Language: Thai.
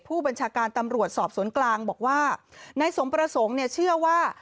ผู้บัญชาการตำรวจสอบสวนกลางบอกว่านายสมประสงค์เนี่ยเชื่อว่า